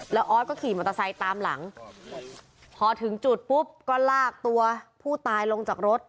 แล้วออสก็ขี่มอเตอร์ไซค์ตามหลังพอถึงจุดปุ๊บก็ลากตัวผู้ตายลงจากรถ